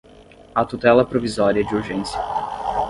à tutela provisória de urgência